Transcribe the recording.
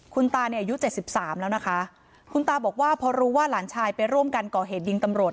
คุณตาเนี่ยอายุ๗๓แล้วนะคะคุณตาบอกว่าพอรู้ว่าหลานชายไปร่วมกันก่อเหตุยิงตำรวจ